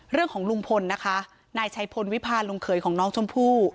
เรื่องของลุงพลนะคะนายชัยพลวิพาลลงเคยของน้องชมพู่